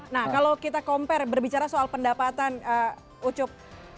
nah kalau kita compare berbicara soal pendapatan ucup